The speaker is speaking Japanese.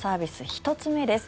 １つ目です。